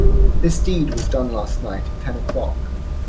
This deed was done last night at ten o'clock.